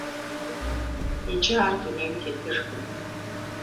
Иджы ар дунейм тетыжкъым.